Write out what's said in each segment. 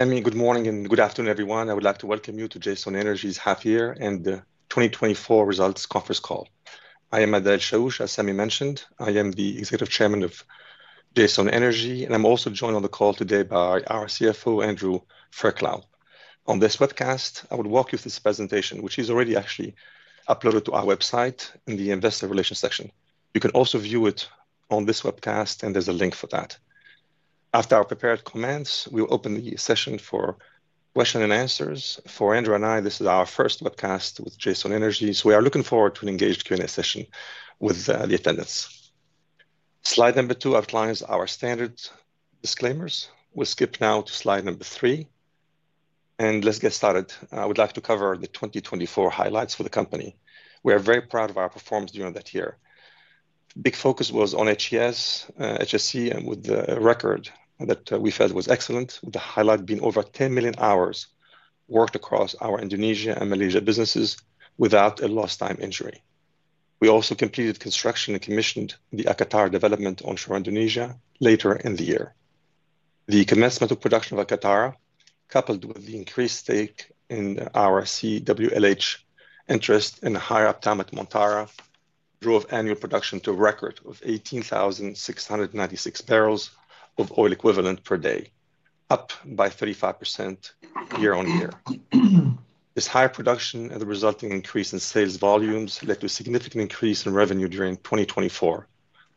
Good morning and good afternoon, everyone. I would like to welcome you to Jadestone Energy's half-year and the 2024 results conference call. I am Adel Chaouch, as Sami mentioned. I am the Executive Chairman of Jadestone Energy, and I'm also joined on the call today by our CFO, Andrew Fairclough. On this webcast, I will walk you through this presentation, which is already actually uploaded to our website in the Investor Relations section. You can also view it on this webcast, and there's a link for that. After our prepared comments, we will open the session for questions and answers. For Andrew and I, this is our first webcast with Jadestone Energy, so we are looking forward to an engaged Q&A session with the attendance. Slide number two outlines our standard disclaimers. We'll skip now to slide number three, and let's get started. I would like to cover the 2024 highlights for the company. We are very proud of our performance during that year. Big focus was on HSE, and with the record that we felt was excellent, with the highlight being over 10 million hours worked across our Indonesia and Malaysia businesses without a lost-time injury. We also completed construction and commissioned the ACATARA development onshore Indonesia later in the year. The commencement of production of ACATARA, coupled with the increased stake in our CWLH interest and higher uptime at Montara, drove annual production to a record of 18,696 barrels of oil equivalent per day, up by 35% year on year. This higher production and the resulting increase in sales volumes led to a significant increase in revenue during 2024.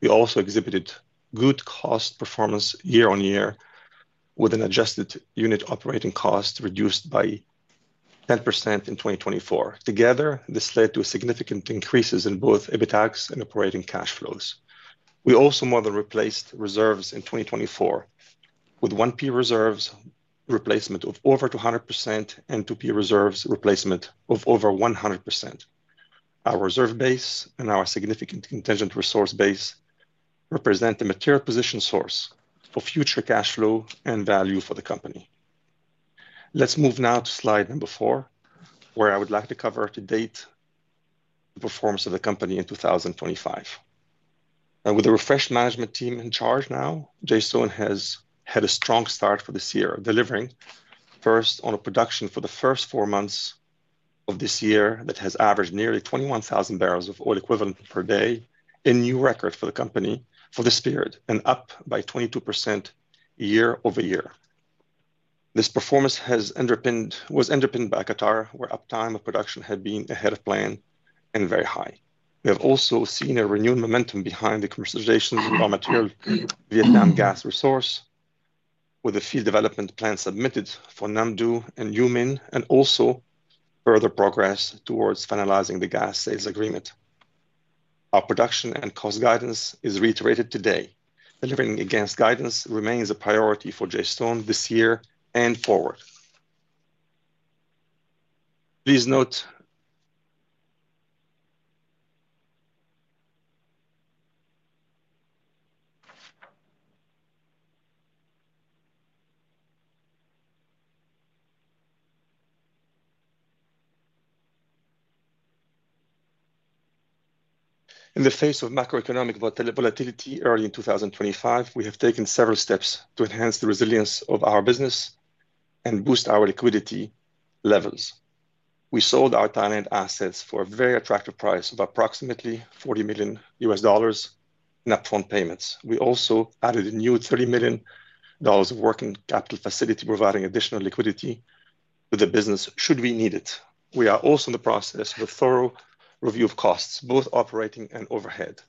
We also exhibited good cost performance year on year, with an adjusted unit operating cost reduced by 10% in 2024. Together, this led to significant increases in both EBITDA and operating cash flows. We also more than replaced reserves in 2024, with 1P reserves replacement of over 200% and 2P reserves replacement of over 100%. Our reserve base and our significant contingent resource base represent the material position source for future cash flow and value for the company. Let's move now to slide number four, where I would like to cover to date the performance of the company in 2025. With the refreshed management team in charge now, Jadestone has had a strong start for this year, delivering first on a production for the first four months of this year that has averaged nearly 21,000 barrels of oil equivalent per day, a new record for the company for this period, and up by 22% year over year. This performance was underpinned by ACATARA, where uptime of production had been ahead of plan and very high. We have also seen a renewed momentum behind the commercialization of raw material Vietnam gas resource, with a field development plan submitted for Nam Do and Yu Min, and also further progress towards finalizing the gas sales agreement. Our production and cost guidance is reiterated today. Delivering against guidance remains a priority for Jadestone this year and forward. Please note. In the face of macroeconomic volatility early in 2025, we have taken several steps to enhance the resilience of our business and boost our liquidity levels. We sold our Thailand assets for a very attractive price of approximately $40 million in upfront payments. We also added a new $30 million working capital facility, providing additional liquidity to the business should we need it. We are also in the process of a thorough review of costs, both operating and overhead.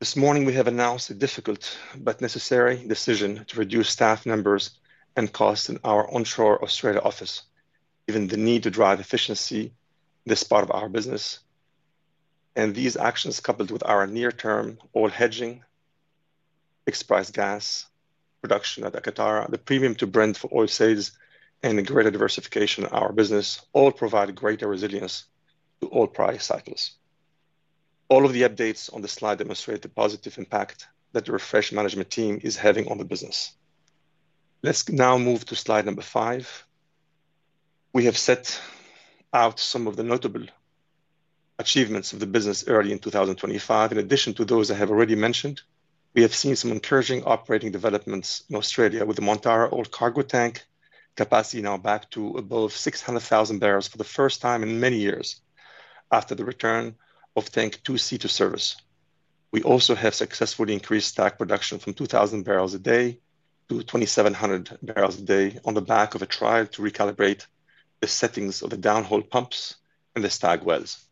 This morning, we have announced a difficult but necessary decision to reduce staff numbers and costs in our onshore Australia office, given the need to drive efficiency in this part of our business. These actions, coupled with our near-term oil hedging, fixed price gas, production at ACATARA, the premium to Brent for oil sales, and greater diversification in our business, all provide greater resilience to oil price cycles. All of the updates on the slide demonstrate the positive impact that the refreshed management team is having on the business. Let's now move to slide number five. We have set out some of the notable achievements of the business early in 2025. In addition to those I have already mentioned, we have seen some encouraging operating developments in Australia, with the Montara oil cargo tank capacity now back to above 600,000 barrels for the first time in many years after the return of tank 2C to service. We also have successfully increased STAG production from 2,000 barrels a day to 2,700 barrels a day on the back of a trial to recalibrate the settings of the down-hole pumps and the STAG wells.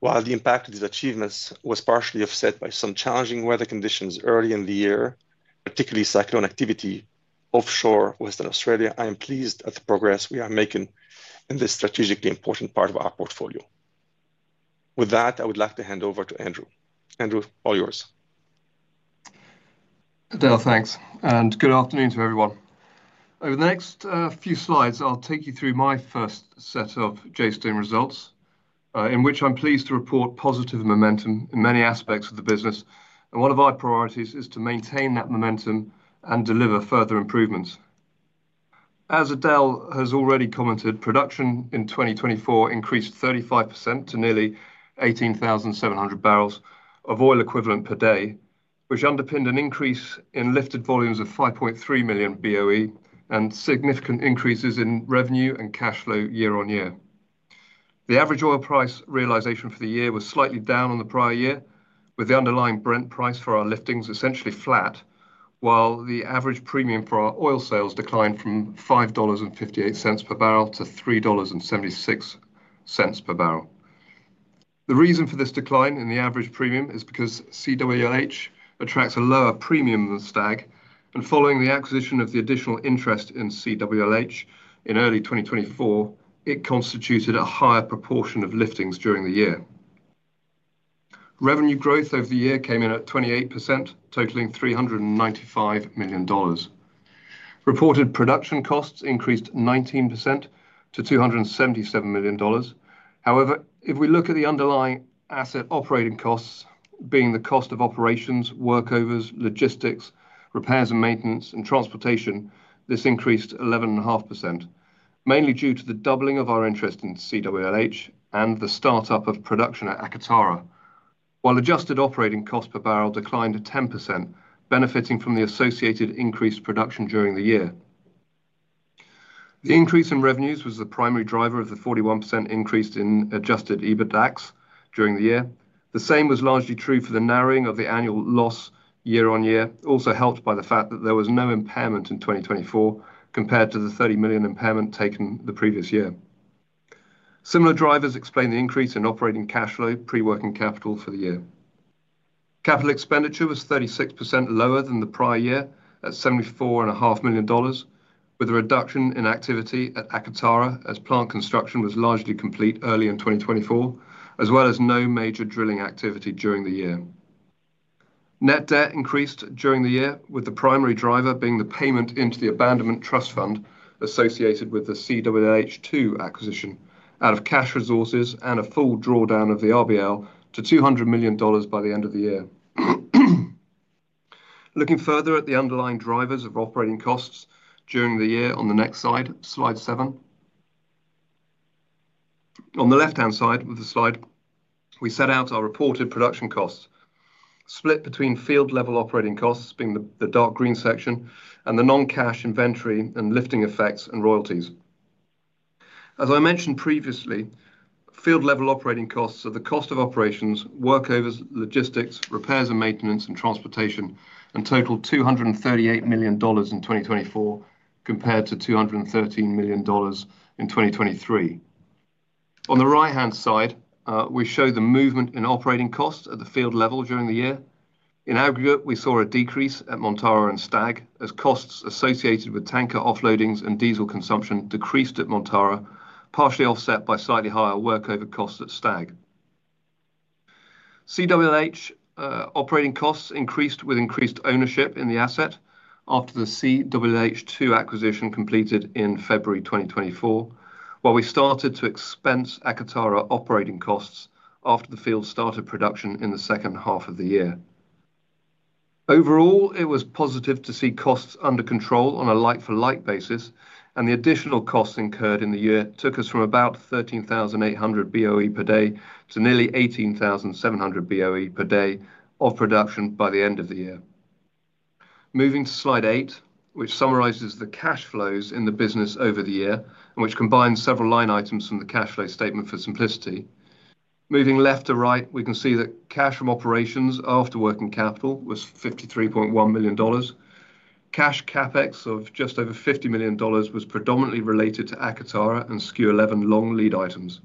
While the impact of these achievements was partially offset by some challenging weather conditions early in the year, particularly cyclone activity offshore Western Australia, I am pleased at the progress we are making in this strategically important part of our portfolio. With that, I would like to hand over to Andrew. Andrew, all yours. Adel, thanks. Good afternoon to everyone. Over the next few slides, I'll take you through my first set of Jadestone results, in which I'm pleased to report positive momentum in many aspects of the business. One of our priorities is to maintain that momentum and deliver further improvements. As Adel has already commented, production in 2024 increased 35% to nearly 18,700 barrels of oil equivalent per day, which underpinned an increase in lifted volumes of 5.3 million BOE and significant increases in revenue and cash flow year on year. The average oil price realization for the year was slightly down on the prior year, with the underlying Brent price for our liftings essentially flat, while the average premium for our oil sales declined from $5.58 per barrel to $3.76 per barrel. The reason for this decline in the average premium is because CWLH attracts a lower premium than STAG, and following the acquisition of the additional interest in CWLH in early 2024, it constituted a higher proportion of liftings during the year. Revenue growth over the year came in at 28%, totaling $395 million. Reported production costs increased 19% to $277 million. However, if we look at the underlying asset operating costs, being the cost of operations, workovers, logistics, repairs and maintenance, and transportation, this increased 11.5%, mainly due to the doubling of our interest in CWLH and the startup of production at ACATARA, while adjusted operating cost per barrel declined 10%, benefiting from the associated increased production during the year. The increase in revenues was the primary driver of the 41% increase in adjusted EBITDA during the year. The same was largely true for the narrowing of the annual loss year on year, also helped by the fact that there was no impairment in 2024 compared to the $30 million impairment taken the previous year. Similar drivers explain the increase in operating cash flow, pre-working capital for the year. Capital expenditure was 36% lower than the prior year at $74.5 million, with a reduction in activity at ACATARA as plant construction was largely complete early in 2024, as well as no major drilling activity during the year. Net debt increased during the year, with the primary driver being the payment into the abandonment trust fund associated with the CWLH acquisition out of cash resources and a full drawdown of the RBL to $200 million by the end of the year. Looking further at the underlying drivers of operating costs during the year on the next slide, slide seven. On the left-hand side of the slide, we set out our reported production costs, split between field-level operating costs, being the dark green section, and the non-cash inventory and lifting effects and royalties. As I mentioned previously, field-level operating costs are the cost of operations, workovers, logistics, repairs and maintenance, and transportation, and totaled $238 million in 2024 compared to $213 million in 2023. On the right-hand side, we show the movement in operating costs at the field level during the year. In aggregate, we saw a decrease at Montara and STAG as costs associated with tanker offloadings and diesel consumption decreased at Montara, partially offset by slightly higher workover costs at STAG. CWLH operating costs increased with increased ownership in the asset after the CWLH2 acquisition completed in February 2024, while we started to expense ACATARA operating costs after the field started production in the second half of the year. Overall, it was positive to see costs under control on a like-for-like basis, and the additional costs incurred in the year took us from about 13,800 BOE per day to nearly 18,700 BOE per day of production by the end of the year. Moving to slide eight, which summarizes the cash flows in the business over the year, which combines several line items from the cash flow statement for simplicity. Moving left to right, we can see that cash from operations after working capital was $53.1 million. Cash CapEx of just over $50 million was predominantly related to ACATARA and SKU 11 long lead items.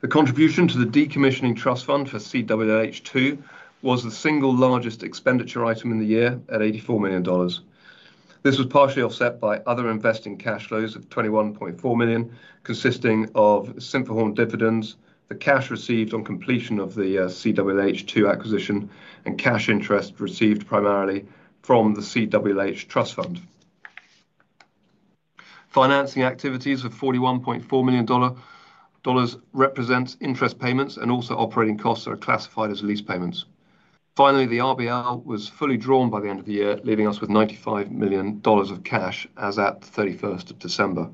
The contribution to the decommissioning trust fund for CWLH was the single largest expenditure item in the year at $84 million. This was partially offset by other investing cash flows of $21.4 million, consisting of Simple Horn dividends, the cash received on completion of the CWLH acquisition, and cash interest received primarily from the CWLH trust fund. Financing activities of $41.4 million represent interest payments and also operating costs that are classified as lease payments. Finally, the RBL was fully drawn by the end of the year, leaving us with $95 million of cash as at 31st of December.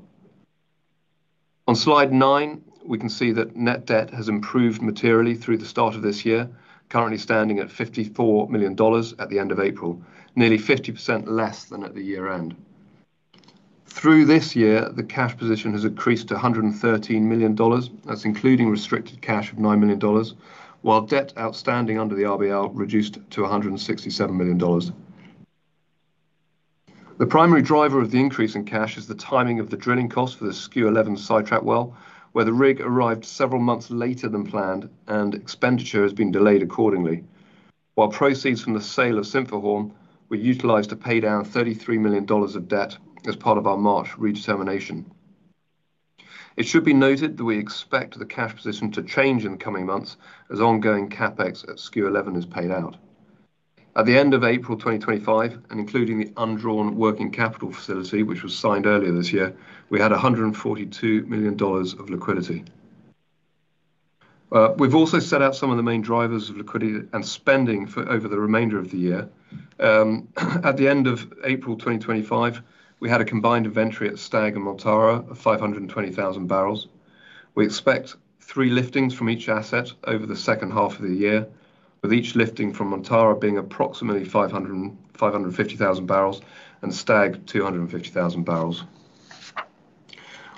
On slide nine, we can see that net debt has improved materially through the start of this year, currently standing at $54 million at the end of April, nearly 50% less than at the year-end. Through this year, the cash position has increased to $113 million, that's including restricted cash of $9 million, while debt outstanding under the RBL reduced to $167 million. The primary driver of the increase in cash is the timing of the drilling cost for the SKU 11 sidetrack well, where the rig arrived several months later than planned and expenditure has been delayed accordingly, while proceeds from the sale of Simple Horn were utilized to pay down $33 million of debt as part of our March redetermination. It should be noted that we expect the cash position to change in the coming months as ongoing CapEx at SKU 11 is paid out. At the end of April 2025, and including the undrawn working capital facility, which was signed earlier this year, we had $142 million of liquidity. We've also set out some of the main drivers of liquidity and spending for over the remainder of the year. At the end of April 2025, we had a combined inventory at STAG and Montara of 520,000 barrels. We expect three liftings from each asset over the second half of the year, with each lifting from Montara being approximately 550,000 barrels and STAG 250,000 barrels.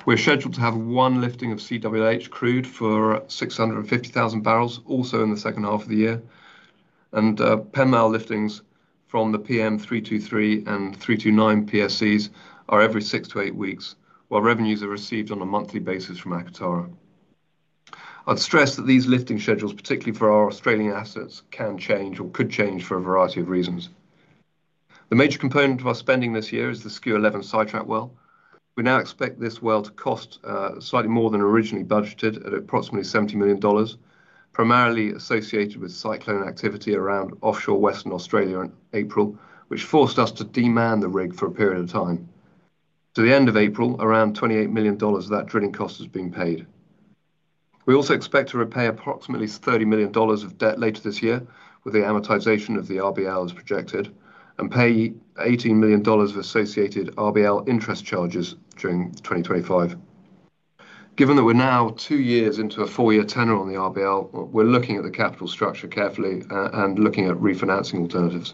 We're scheduled to have one lifting of CWLH crude for 650,000 barrels, also in the second half of the year, and Penmell liftings from the PM323 and PM329 PSCs are every six to eight weeks, while revenues are received on a monthly basis from ACATARA. I'd stress that these lifting schedules, particularly for our Australian assets, can change or could change for a variety of reasons. The major component of our spending this year is the SKU 11 sidetrack well. We now expect this well to cost slightly more than originally budgeted at approximately $70 million, primarily associated with cyclone activity around offshore Western Australia in April, which forced us to demobilize the rig for a period of time. To the end of April, around $28 million of that drilling cost has been paid. We also expect to repay approximately $30 million of debt later this year, with the amortization of the RBL as projected, and pay $18 million of associated RBL interest charges during 2025. Given that we're now two years into a four-year tenor on the RBL, we're looking at the capital structure carefully and looking at refinancing alternatives.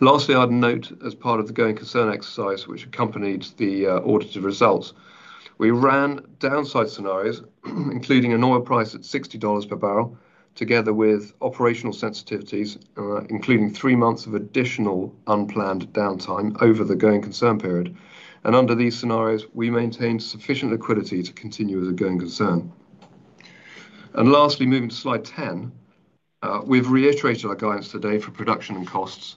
Lastly, I'd note as part of the going concern exercise, which accompanied the audited results, we ran downside scenarios, including an oil price at $60 per barrel, together with operational sensitivities, including three months of additional unplanned downtime over the going concern period. Under these scenarios, we maintained sufficient liquidity to continue as a going concern. Lastly, moving to slide ten, we've reiterated our guidance today for production and costs.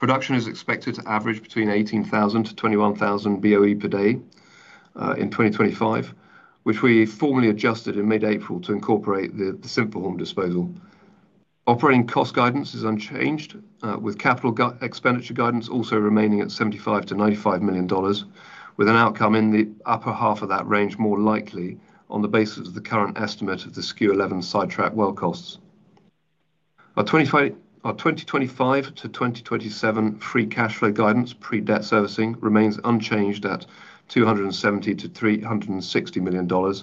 Production is expected to average between 18,000-21,000 BOE per day in 2025, which we formally adjusted in mid-April to incorporate the Simple Horn disposal. Operating cost guidance is unchanged, with capital expenditure guidance also remaining at $75-95 million, with an outcome in the upper half of that range more likely on the basis of the current estimate of the SKU 11 sidetrack well costs. Our 2025 to 2027 free cash flow guidance, pre-debt servicing, remains unchanged at $270 million-$360 million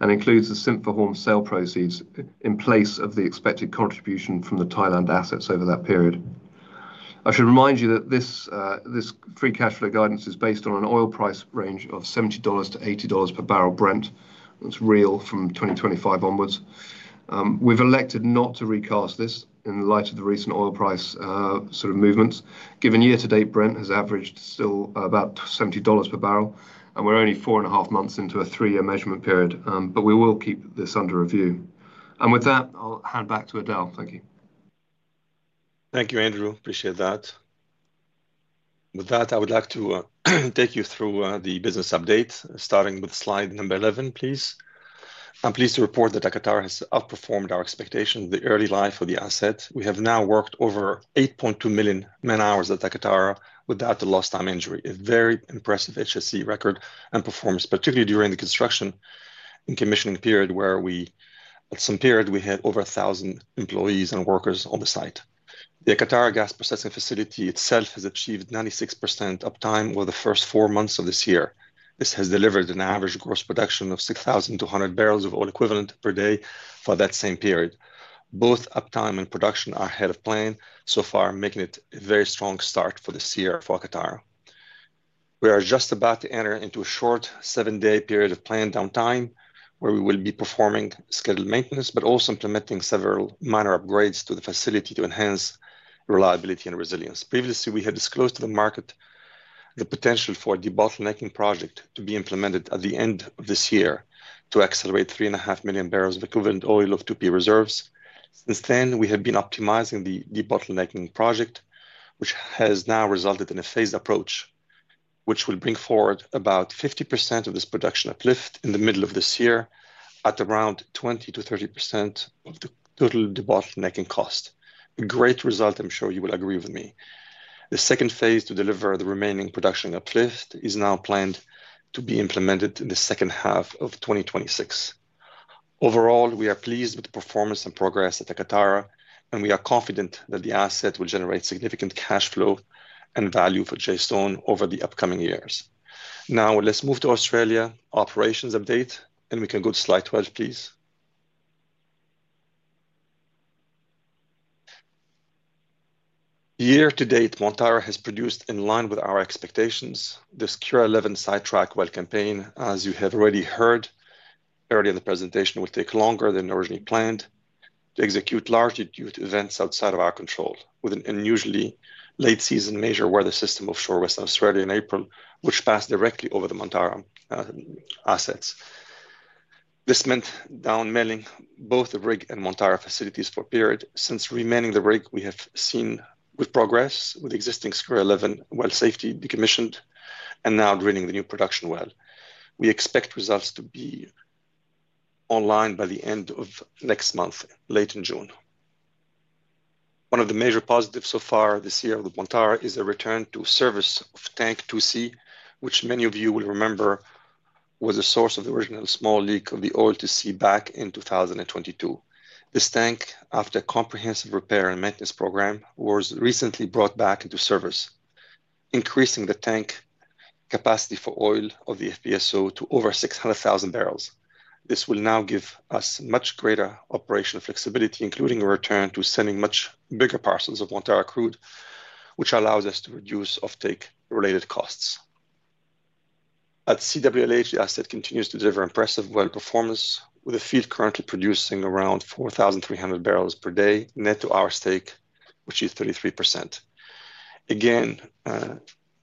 and includes the Simple Horn sale proceeds in place of the expected contribution from the Thailand assets over that period. I should remind you that this free cash flow guidance is based on an oil price range of $70-$80 per barrel Brent, that's real from 2025 onwards. We've elected not to recast this in light of the recent oil price sort of movements, given year-to-date Brent has averaged still about $70 per barrel, and we're only four and a half months into a three-year measurement period, but we will keep this under review. With that, I'll hand back to Adel. Thank you. Thank you, Andrew. Appreciate that. With that, I would like to take you through the business update, starting with slide number 11, please. I'm pleased to report that ACATARA has outperformed our expectations in the early life of the asset. We have now worked over 8.2 million man-hours at ACATARA without a lost-time injury. A very impressive HSE record and performance, particularly during the construction and commissioning period, where at some period we had over 1,000 employees and workers on the site. The ACATARA gas processing facility itself has achieved 96% uptime over the first four months of this year. This has delivered an average gross production of 6,200 barrels of oil equivalent per day for that same period. Both uptime and production are ahead of plan so far, making it a very strong start for this year for ACATARA. We are just about to enter into a short seven-day period of planned downtime, where we will be performing scheduled maintenance, but also implementing several minor upgrades to the facility to enhance reliability and resilience. Previously, we had disclosed to the market the potential for a de-bottlenecking project to be implemented at the end of this year to accelerate 3.5 million barrels of equivalent oil of 2P reserves. Since then, we have been optimizing the de-bottlenecking project, which has now resulted in a phased approach, which will bring forward about 50% of this production uplift in the middle of this year at around 20-30% of the total de-bottlenecking cost. A great result, I'm sure you will agree with me. The second phase to deliver the remaining production uplift is now planned to be implemented in the second half of 2026. Overall, we are pleased with the performance and progress at ACATARA, and we are confident that the asset will generate significant cash flow and value for Jadestone over the upcoming years. Now, let's move to Australia operations update, and we can go to slide 12, please. Year-to-date, Montara has produced in line with our expectations, the SKU 11 sidetrack well campaign, as you have already heard earlier in the presentation, will take longer than originally planned to execute largely due to events outside of our control, with an unusually late-season major weather system offshore Western Australia in April, which passed directly over the Montara assets. This meant downmanning both the rig and Montara facilities for a period. Since remanning the rig, we have seen progress with existing SKU 11 well safely decommissioned and now drilling the new production well. We expect results to be online by the end of next month, late in June. One of the major positives so far this year with Montara is a return to service of tank 2C, which many of you will remember was the source of the original small leak of the oil to sea back in 2022. This tank, after a comprehensive repair and maintenance program, was recently brought back into service, increasing the tank capacity for oil of the FPSO to over 600,000 barrels. This will now give us much greater operational flexibility, including a return to sending much bigger parcels of Montara crude, which allows us to reduce offtake-related costs. At CWLH, the asset continues to deliver impressive well performance, with the field currently producing around 4,300 barrels per day net to our stake, which is 33%. Again,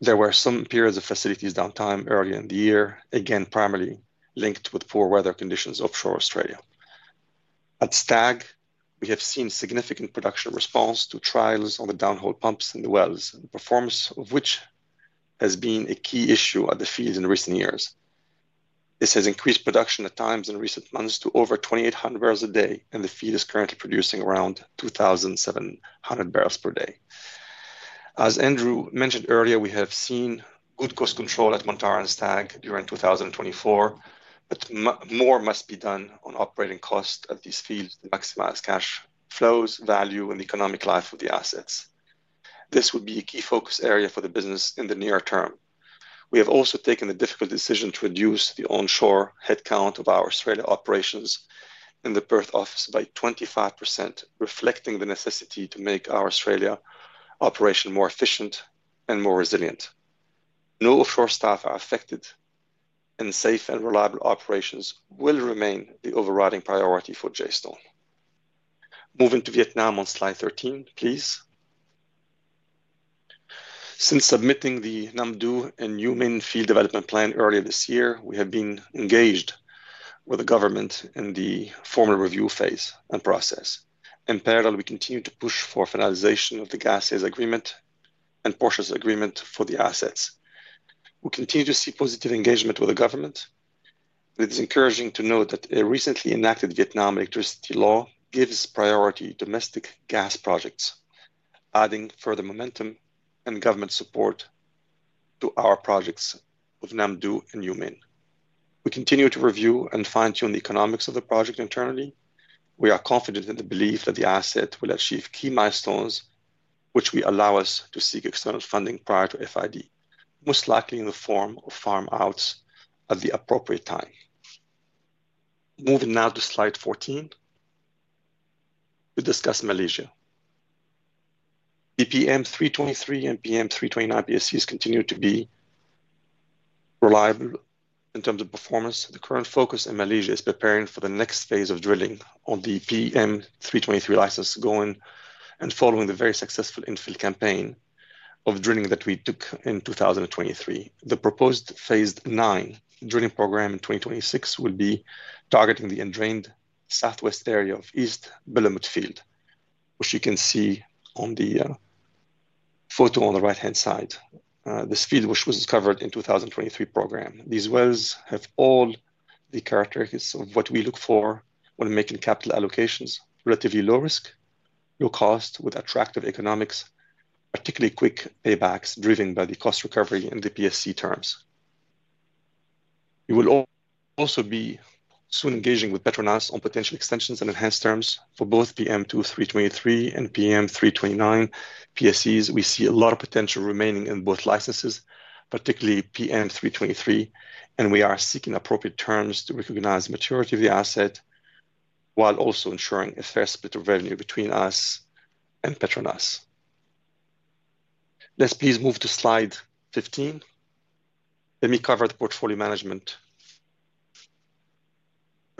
there were some periods of facilities downtime early in the year, again primarily linked with poor weather conditions offshore Australia. At STAG, we have seen significant production response to trials on the downhole pumps and the wells, performance of which has been a key issue at the field in recent years. This has increased production at times in recent months to over 2,800 barrels a day, and the field is currently producing around 2,700 barrels per day. As Andrew mentioned earlier, we have seen good cost control at Montara and STAG during 2024, but more must be done on operating costs at these fields to maximize cash flows, value, and the economic life of the assets. This would be a key focus area for the business in the near term. We have also taken the difficult decision to reduce the onshore headcount of our Australia operations in the Perth office by 25%, reflecting the necessity to make our Australia operation more efficient and more resilient. No offshore staff are affected, and safe and reliable operations will remain the overriding priority for Jadestone. Moving to Vietnam on slide 13, please. Since submitting the Nam Do and Yu Min field development plan earlier this year, we have been engaged with the government in the formal review phase and process. In parallel, we continue to push for finalization of the gas sales agreement and portions of agreement for the assets. We continue to see positive engagement with the government. It is encouraging to note that a recently enacted Vietnam electricity law gives priority to domestic gas projects, adding further momentum and government support to our projects with Nam Do and Yu Min. We continue to review and fine-tune the economics of the project internally. We are confident in the belief that the asset will achieve key milestones, which will allow us to seek external funding prior to FID, most likely in the form of farm outs at the appropriate time. Moving now to slide 14, we discuss Malaysia. The PM323 and PM329 PSCs continue to be reliable in terms of performance. The current focus in Malaysia is preparing for the next phase of drilling on the PM323 license, going and following the very successful infill campaign of drilling that we took in 2023. The proposed phase nine drilling program in 2026 will be targeting the endrained southwest area of East Belumut Field, which you can see on the photo on the right-hand side. This field, which was discovered in the 2023 program, these wells have all the characteristics of what we look for when making capital allocations: relatively low risk, low cost, with attractive economics, particularly quick paybacks driven by the cost recovery in the PSC terms. We will also be soon engaging with Petronas on potential extensions and enhanced terms for both PM323 and PM329 PSCs. We see a lot of potential remaining in both licenses, particularly PM323, and we are seeking appropriate terms to recognize the maturity of the asset while also ensuring a fair split of revenue between us and Petronas. Let's please move to slide 15. Let me cover the portfolio management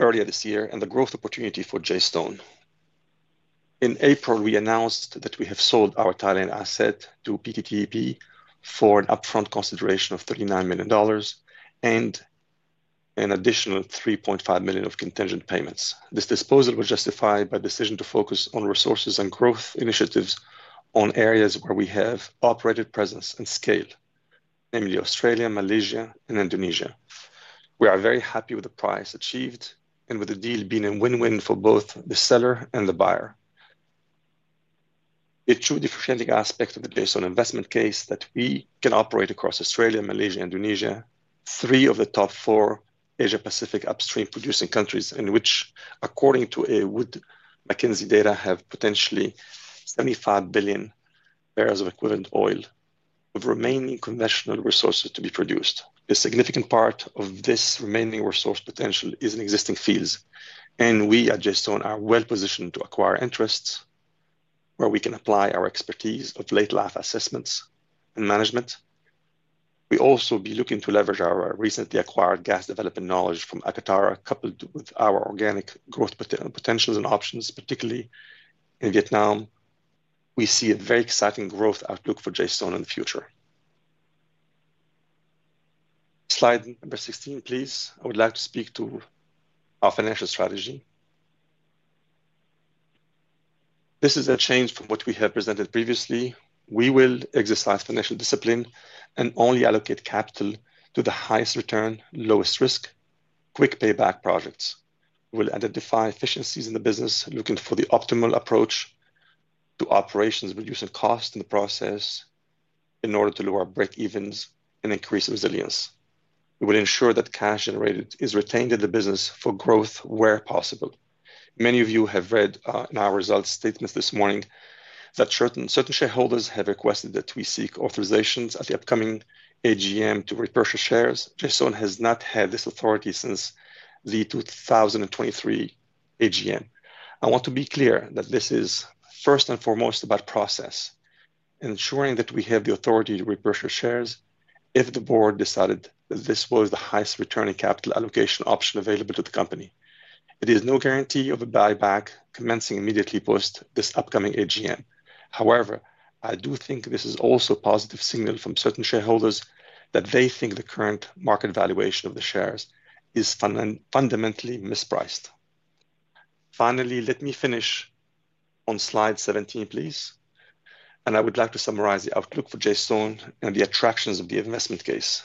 earlier this year and the growth opportunity for Jadestone. In April, we announced that we have sold our Thailand asset to PTTEP for an upfront consideration of $39 million and an additional $3.5 million of contingent payments. This disposal was justified by the decision to focus on resources and growth initiatives on areas where we have operated presence and scale, namely Australia, Malaysia, and Indonesia. We are very happy with the price achieved and with the deal being a win-win for both the seller and the buyer. The true differentiating aspect of the Jadestone investment case is that we can operate across Australia, Malaysia, and Indonesia, three of the top four Asia-Pacific upstream producing countries in which, according to Wood Mackenzie data, have potentially 75 billion barrels of equivalent oil with remaining conventional resources to be produced. A significant part of this remaining resource potential is in existing fields, and we at Jadestone are well positioned to acquire interests where we can apply our expertise of late-life assessments and management. We also will be looking to leverage our recently acquired gas development knowledge from ACATARA, coupled with our organic growth potentials and options, particularly in Vietnam. We see a very exciting growth outlook for Jadestone in the future. Slide number 16, please. I would like to speak to our financial strategy. This is a change from what we have presented previously. We will exercise financial discipline and only allocate capital to the highest return, lowest risk, quick payback projects. We will identify efficiencies in the business, looking for the optimal approach to operations, reducing costs in the process in order to lower break-evens and increase resilience. We will ensure that cash generated is retained in the business for growth where possible. Many of you have read in our results statements this morning that certain shareholders have requested that we seek authorizations at the upcoming AGM to re-purchase shares. Energy has not had this authority since the 2023 AGM. I want to be clear that this is first and foremost about process, ensuring that we have the authority to re-purchase shares if the board decided that this was the highest returning capital allocation option available to the company. It is no guarantee of a buyback commencing immediately post this upcoming AGM. However, I do think this is also a positive signal from certain shareholders that they think the current market valuation of the shares is fundamentally mispriced. Finally, let me finish on slide 17, please. I would like to summarize the outlook for Jadestone Energy and the attractions of the investment case.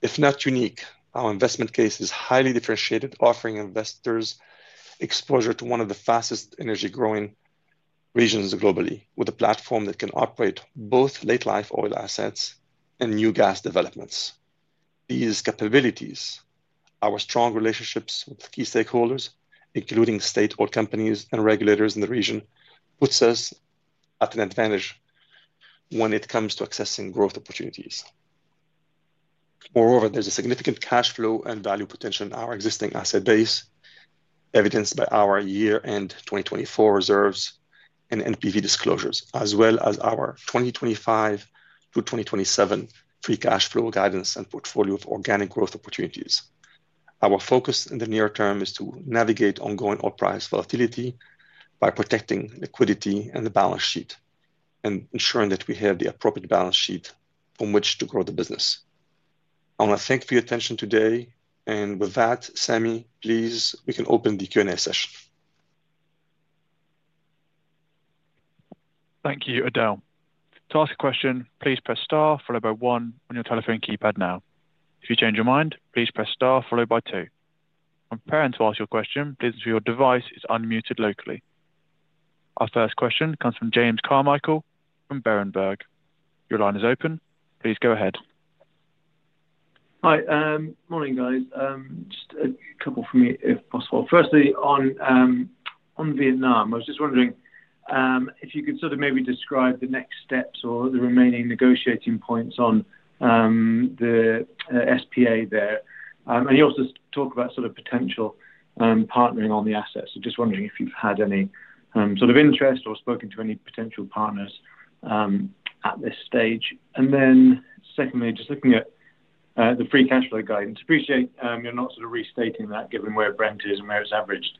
If not unique, our investment case is highly differentiated, offering investors exposure to one of the fastest energy-growing regions globally, with a platform that can operate both late-life oil assets and new gas developments. These capabilities, our strong relationships with key stakeholders, including state oil companies and regulators in the region, put us at an advantage when it comes to accessing growth opportunities. Moreover, there is a significant cash flow and value potential in our existing asset base, evidenced by our year-end 2024 reserves and NPV disclosures, as well as our 2025-2027 free cash flow guidance and portfolio of organic growth opportunities. Our focus in the near term is to navigate ongoing oil price volatility by protecting liquidity and the balance sheet and ensuring that we have the appropriate balance sheet from which to grow the business. I want to thank you for your attention today. With that, Sami, please, we can open the Q&A session. Thank you, Adel. To ask a question, please press Star followed by One on your telephone keypad now. If you change your mind, please press Star followed by Two. On preparing to ask your question, please ensure your device is unmuted locally. Our first question comes from James Carmichael from Berenberg. Your line is open. Please go ahead. Hi. Morning, guys. Just a couple for me, if possible. Firstly, on Vietnam, I was just wondering if you could sort of maybe describe the next steps or the remaining negotiating points on the SPA there. You also talk about sort of potential partnering on the assets. Just wondering if you've had any sort of interest or spoken to any potential partners at this stage. Secondly, just looking at the free cash flow guidance, appreciate you're not sort of restating that given where Brent is and where it's averaged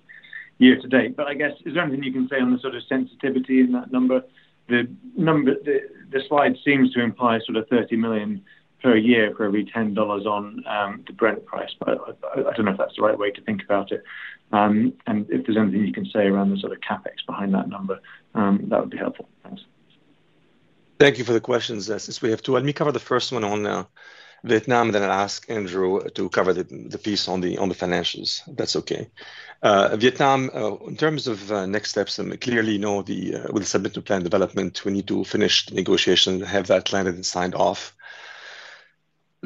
year to date. I guess, is there anything you can say on the sort of sensitivity in that number? The slide seems to imply sort of $30 million per year for every $10 on the Brent price. I do not know if that is the right way to think about it. If there is anything you can say around the sort of CapEx behind that number, that would be helpful. Thanks. Thank you for the questions. Since we have two, let me cover the first one on Vietnam, and then I will ask Andrew to cover the piece on the financials, if that is okay. Vietnam, in terms of next steps, clearly with the submitted plan development, we need to finish the negotiations, have that landed and signed off.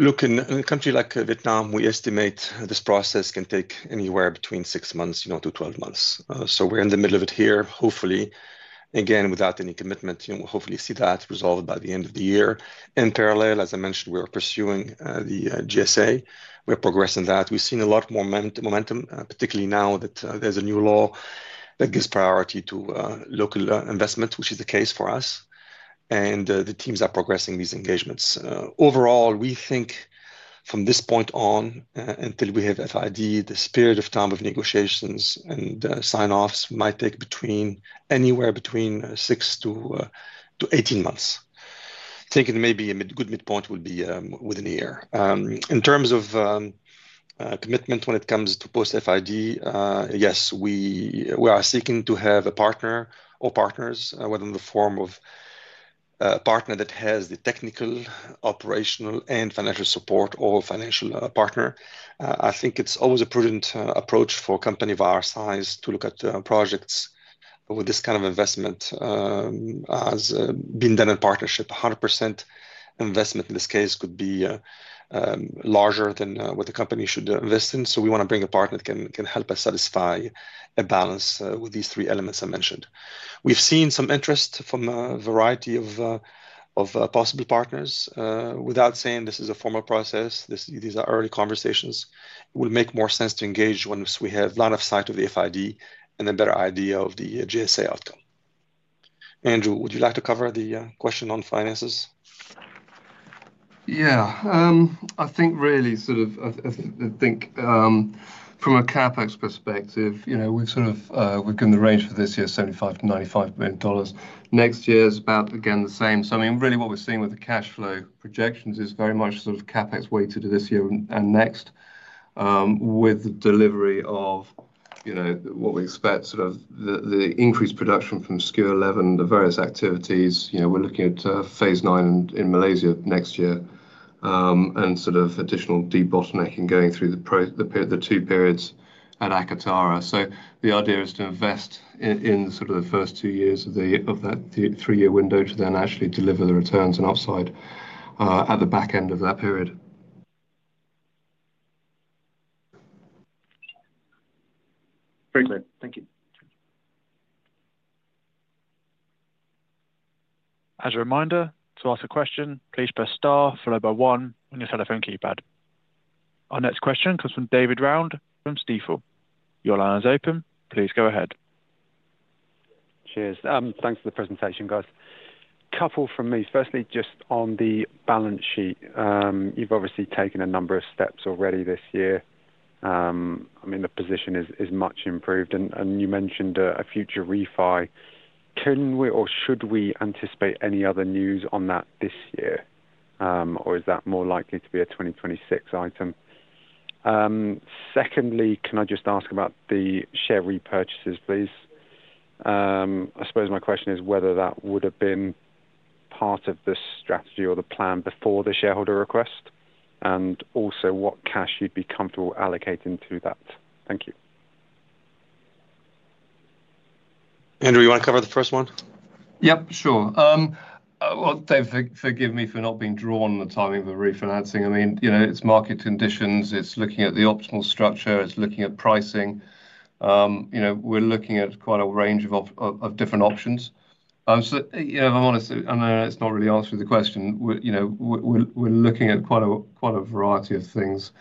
Looking at a country like Vietnam, we estimate this process can take anywhere between six months to 12 months. We're in the middle of it here, hopefully. Again, without any commitment, we'll hopefully see that resolved by the end of the year. In parallel, as I mentioned, we're pursuing the GSA. We're progressing that. We've seen a lot more momentum, particularly now that there's a new law that gives priority to local investment, which is the case for us. The teams are progressing these engagements. Overall, we think from this point on, until we have FID, the spirit of time of negotiations and sign-offs might take anywhere between 6-18 months. Thinking maybe a good midpoint would be within a year. In terms of commitment when it comes to post-FID, yes, we are seeking to have a partner or partners, whether in the form of a partner that has the technical, operational, and financial support or financial partner. I think it's always a prudent approach for a company of our size to look at projects with this kind of investment as being done in partnership. 100% investment in this case could be larger than what the company should invest in. So we want to bring a partner that can help us satisfy a balance with these three elements I mentioned. We've seen some interest from a variety of possible partners. Without saying this is a formal process, these are early conversations. It will make more sense to engage once we have line of sight of the FID and a better idea of the GSA outcome. Andrew, would you like to cover the question on finances? Yeah. I think really sort of, I think from a CapEx perspective, we've sort of given the range for this year of $75-$95 million. Next year is about, again, the same. I mean, really what we're seeing with the cash flow projections is very much sort of CapEx weighted this year and next with the delivery of what we expect, sort of the increased production from SKU 11, the various activities. We're looking at phase nine in Malaysia next year and sort of additional deep bottlenecking going through the two periods at ACATARA. The idea is to invest in sort of the first two years of that three-year window to then actually deliver the returns and upside at the back end of that period. Very good. Thank you. As a reminder, to ask a question, please press Star followed by One on your telephone keypad. Our next question comes from David Round from Stifel. Your line is open. Please go ahead. Cheers. Thanks for the presentation, guys. A couple from me. Firstly, just on the balance sheet, you've obviously taken a number of steps already this year. I mean, the position is much improved. You mentioned a future refi. Can we or should we anticipate any other news on that this year, or is that more likely to be a 2026 item? Secondly, can I just ask about the share repurchases, please? I suppose my question is whether that would have been part of the strategy or the plan before the shareholder request and also what cash you'd be comfortable allocating to that. Thank you. Andrew, you want to cover the first one? Yep, sure. Dave, forgive me for not being drawn on the timing of the refinancing. I mean, it's market conditions. It's looking at the optimal structure. It's looking at pricing. We're looking at quite a range of different options. If I'm honest, I know it's not really answering the question. We're looking at quite a variety of things.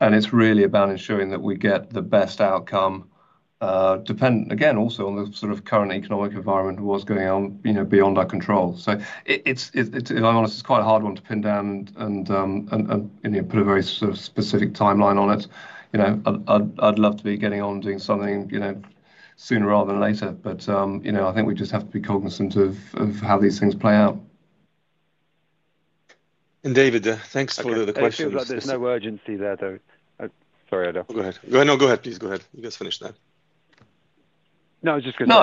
It's really about ensuring that we get the best outcome, dependent, again, also on the sort of current economic environment, what's going on beyond our control. If I'm honest, it's quite a hard one to pin down and put a very sort of specific timeline on it. I'd love to be getting on doing something sooner rather than later, but I think we just have to be cognizant of how these things play out. David, thanks for the questions. There's no urgency there, though. Sorry, Adel. Go ahead. No, go ahead. Please go ahead. You just finished that. No, I was just going to say.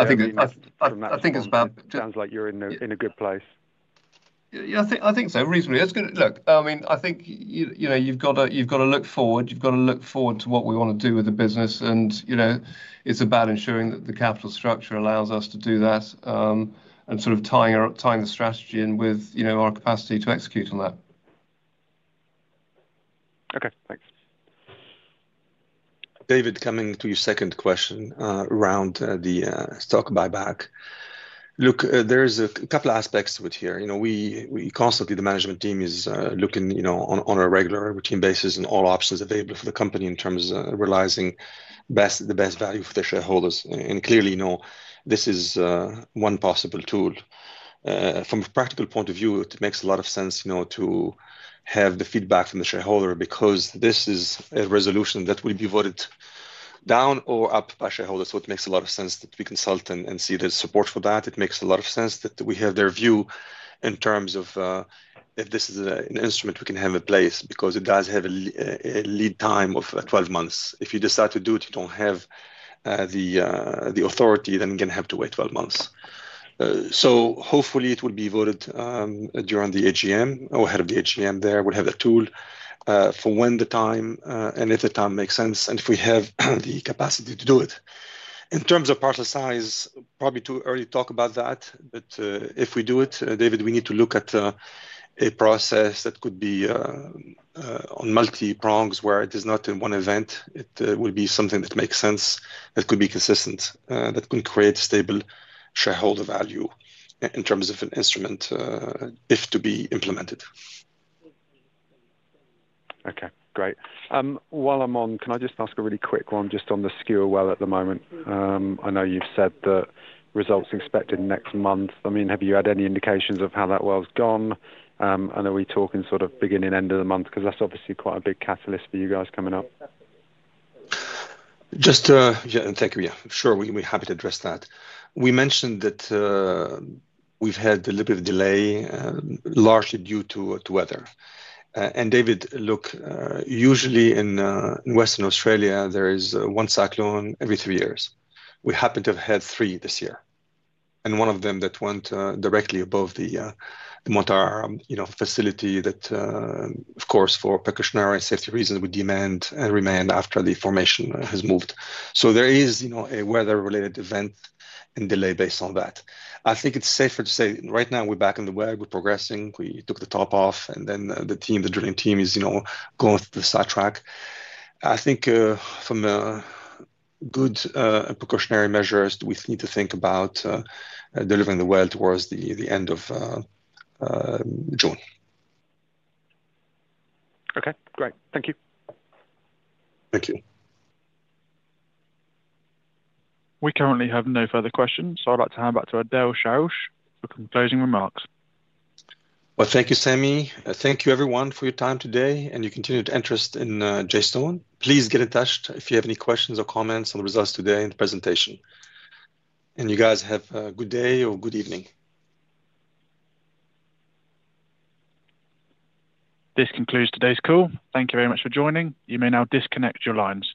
I think it's about. It sounds like you're in a good place. Yeah, I think so. Reasonably. Look, I mean, I think you've got to look forward. You've got to look forward to what we want to do with the business. It's about ensuring that the capital structure allows us to do that and sort of tying the strategy in with our capacity to execute on that. Okay. Thanks. David, coming to your second question around the stock buyback. Look, there's a couple of aspects to it here. Constantly, the management team is looking on a regular routine basis on all options available for the company in terms of realizing the best value for their shareholders. Clearly, this is one possible tool. From a practical point of view, it makes a lot of sense to have the feedback from the shareholder because this is a resolution that will be voted down or up by shareholders. It makes a lot of sense that we consult and see the support for that. It makes a lot of sense that we have their view in terms of if this is an instrument we can have in place because it does have a lead time of 12 months. If you decide to do it, you do not have the authority, then you are going to have to wait 12 months. Hopefully, it will be voted during the AGM or ahead of the AGM there. We will have a tool for when the time and if the time makes sense and if we have the capacity to do it. In terms of partial size, probably too early to talk about that. If we do it, David, we need to look at a process that could be on multi-prongs where it is not in one event. It will be something that makes sense, that could be consistent, that can create stable shareholder value in terms of an instrument if to be implemented. Okay. Great. While I'm on, can I just ask a really quick one just on the SKU well at the moment? I know you've said the results expected next month. I mean, have you had any indications of how that well's gone? And are we talking sort of beginning, end of the month? Because that's obviously quite a big catalyst for you guys coming up. Just to thank you. Yeah, sure. We're happy to address that. We mentioned that we've had a little bit of delay, largely due to weather. And David, look, usually in Western Australia, there is one cyclone every three years. We happen to have had three this year. One of them went directly above the Montara facility that, of course, for precautionary and safety reasons, would demand and remain after the formation has moved. There is a weather-related event and delay based on that. I think it is safer to say right now we are back in the way. We are progressing. We took the top off. The team, the drilling team, is going through the sidetrack. I think from good precautionary measures, we need to think about delivering the well towards the end of June. Okay. Great. Thank you. Thank you. We currently have no further questions. I would like to hand back to Adel Chaouch for closing remarks. Thank you, Sami. Thank you, everyone, for your time today and your continued interest in Jadestone Energy. Please get in touch if you have any questions or comments on the results today and the presentation. You guys have a good day or good evening. This concludes today's call. Thank you very much for joining. You may now disconnect your lines.